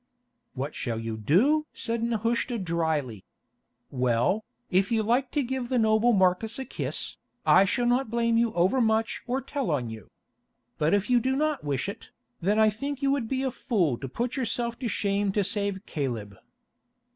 "What shall you do?" said Nehushta drily. "Well, if you like to give the noble Marcus a kiss, I shall not blame you overmuch or tell on you. But if you do not wish it, then I think you would be a fool to put yourself to shame to save Caleb."